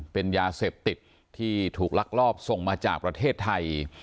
เป็นยาเสพติดที่ถูกลักลอบส่งมาจากประเทศไทย